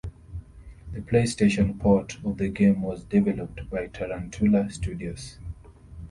The PlayStation port of the game was developed by Tarantula Studios.